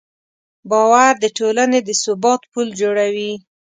باور د ټولنې د ثبات پل جوړوي.